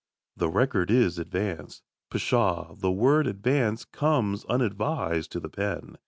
The record is advanced. Pshaw! the word "advanced" comes unadvised to the pen.